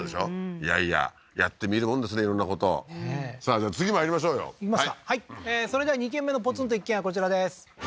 いやいややってみるもんですね色んなことさあじゃあ次まいりましょうよいきますかはいそれでは２軒目のポツンと一軒家こちらです